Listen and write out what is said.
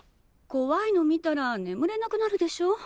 こわいの見たらねむれなくなるでしょう？